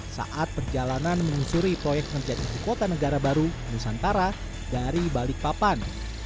saat perjalanan mengusuri proyek menjaga kota negara baru nusantara dari balikpapan